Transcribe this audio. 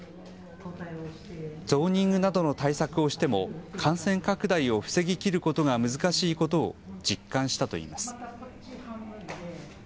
ゾーニングなどの対策をしても感染拡大を防ぎきることが難しいことを実感したといいます。